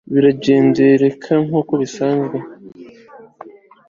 birangendekera nk'uko bisanzwe